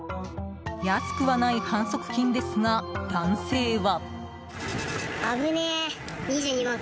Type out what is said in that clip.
安くはない反則金ですが男性は。